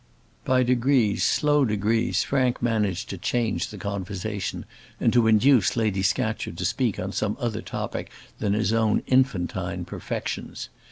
By degrees, slow degrees, Frank managed to change the conversation, and to induce Lady Scatcherd to speak on some other topic than his own infantine perfections.